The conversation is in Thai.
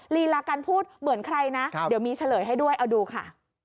ลีลาการพูดเหมือนใครนะเดี๋ยวมีเฉลยให้ด้วยเอาดูค่ะ